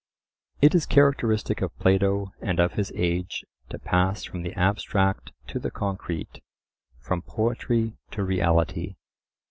It is characteristic of Plato and of his age to pass from the abstract to the concrete, from poetry to reality.